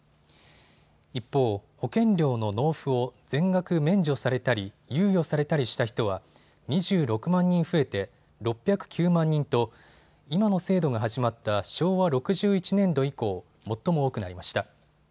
一方、保険料の納付を全額免除されたり猶予されたりした人は２６万人増えて６０９万人と今の制度が始まった昭和６１年度以降、最も多くなりました。